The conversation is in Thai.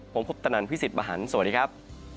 ผมพบตนันพิสิธปะหันสวัสดีครับ